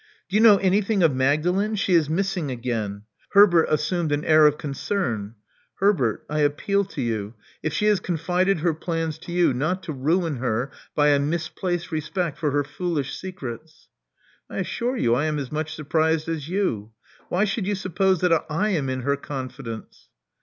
Do you know anything of Magdalen? She is missing again.'* Herbert assumed an air of concern. Herbert: I appeal to you, if she has confided her plans to you, not to ruin her by a misplaced respect for her foolish secrets. '* '*I assure you I am as much surprised as yon. Why should you suppose that I am in her confidence?"